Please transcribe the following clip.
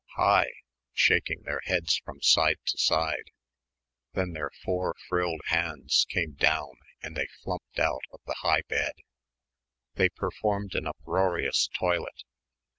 Hi!" shaking their heads from side to side. Then their four frilled hands came down and they flumped out of the high bed. They performed an uproarious toilet.